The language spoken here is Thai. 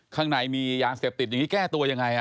ข้างในมียาเสพติดอย่างนี้แก้ตัวยังไง